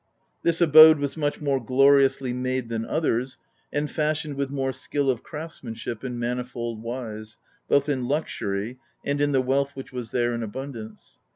This abode was much more gloriously made than others, and fashioned with more skill of craftsmanship in manifold wise, both in luxury and in the wealth which was there in abundance.